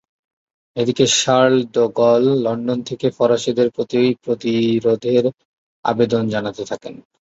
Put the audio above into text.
এদিকে Charles de Gaulle London থেকে ফরাসিদের প্রতি প্রতিরোধের আবেদন জানাতে থাকেন।